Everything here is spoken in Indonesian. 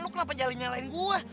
lo kenapa jalanin nyalain gue